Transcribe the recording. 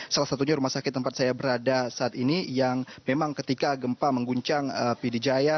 salah satunya rumah sakit tempat saya berada saat ini yang memang ketika gempa mengguncang pidijaya